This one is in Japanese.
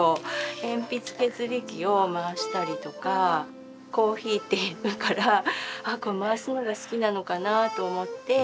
鉛筆削り器を回したりとかコーヒーって言うから回すのが好きなのかなと思って。